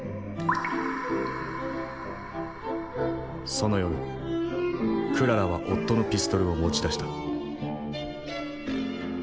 その夜クララは夫のピストルを持ち出した。